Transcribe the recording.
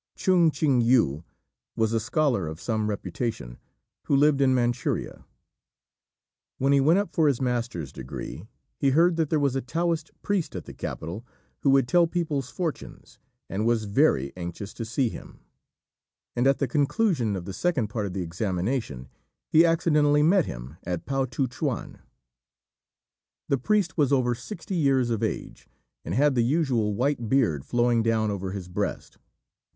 Chung Ch'ing yü was a scholar of some reputation, who lived in Manchuria. When he went up for his master's degree, he heard that there was a Taoist priest at the capital who would tell people's fortunes, and was very anxious to see him; and at the conclusion of the second part of the examination, he accidentally met him at Pao t'u ch'üan. The priest was over sixty years of age, and had the usual white beard, flowing down over his breast.